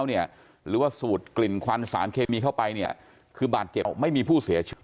หรือว่าสูดกลิ่นควันสารเคมีเข้าไปเนี่ยคือบาดเจ็บไม่มีผู้เสียชีวิต